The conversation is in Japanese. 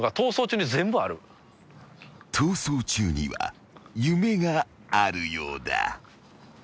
［『逃走中』には夢があるようだ］